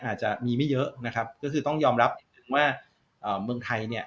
อาจจะมีไม่เยอะนะครับก็คือต้องยอมรับว่าเมืองไทยเนี่ย